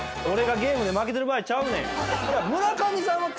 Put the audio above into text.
俺がゲームで負けてる場合ちゃうねん。